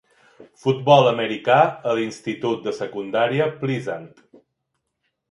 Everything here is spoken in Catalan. Futbol americà a l'institut de secundària Pleasant.